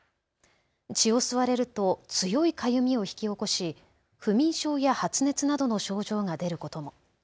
血を吸われると強いかゆみを引き起こし不眠症や発熱などの症状が出ることも。